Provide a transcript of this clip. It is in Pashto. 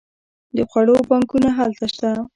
د خوړو بانکونه هلته شته.